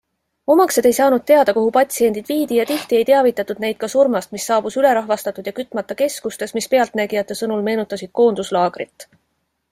Omaksed ei saanud teada, kuhu patsiendid viidi ja tihti ei teavitatud neid ka surmast, mis saabus ülerahvastatud ja kütmata keskustes, mis pealtnägijate sõnul meenutasid koonduslaagrit.